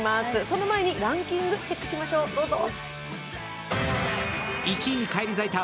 その前にランキング、チェックしましょう、どうぞ。